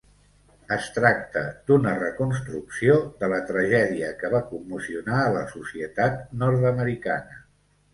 Es tracta d'una reconstrucció de la tragèdia que va commocionar a la societat nord-americana.